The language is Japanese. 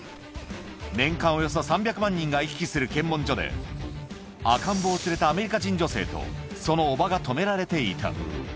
年間およそ３００万人が行き来する検問所で、赤ん坊を連れたアメリカ人女性と、その叔母が止められていた。